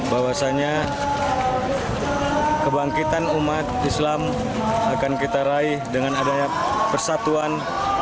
bahwasannya kebangkitan umat islam akan kita raih dengan adanya persatuan